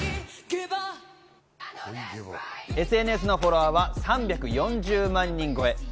ＳＮＳのフォロワーは３４０万人超え。